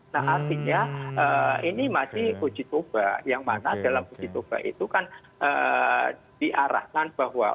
nah artinya ini masih uji coba yang mana dalam uji coba itu kan diarahkan bahwa